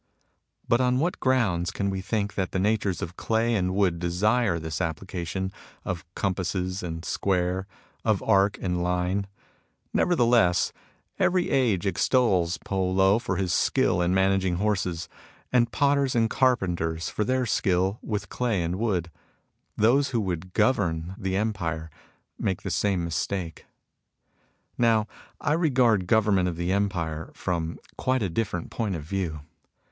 But on what grounds can we think that the natures of clay and wood desire this application of compasses and square, of arc and line ? Never theless, every age extols Po Lo for his skill in managing horses, and potters and carpenters for their sk&l with clay and wood. Those who govern the empire make the same mistake. Now I regard government of the empire from quite a diflEerent point of view.